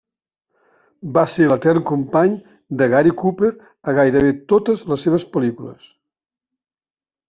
Va ser l'etern company de Gary Cooper a gairebé totes les seves pel·lícules.